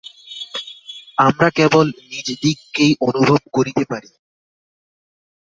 আমরা কেবল নিজদিগকেই অনুভব করিতে পারি।